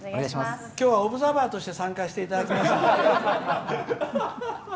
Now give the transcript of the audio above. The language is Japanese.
きょうはオブザーバーとして参加していただきますので。